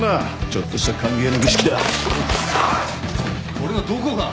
ちょっとした歓迎の儀式だ。